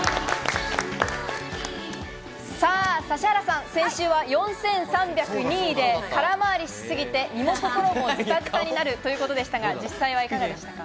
指原さん、先週は４３０２位で、空回りしすぎて、身も心もズタズタになるということでしたが、実際はいかがでしたか？